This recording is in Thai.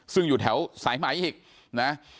ซึ่งอยู่แถวสายไหมอีกนะ